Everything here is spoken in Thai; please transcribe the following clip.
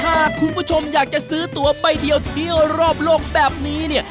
ถ้าคุณผู้ชมอยากจะซื้อตัวไปเดียวเที่ยวรอบโลกแบบนี้เนี่ย